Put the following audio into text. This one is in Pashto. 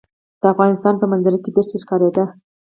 د افغانستان په منظره کې دښتې ښکاره ده.